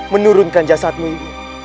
menurunkan jasadmu ibu